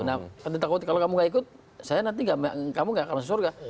nah tanda kutip kalau kamu tidak ikut saya nanti kamu tidak akan masuk surga